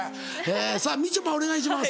さぁみちょぱお願いします。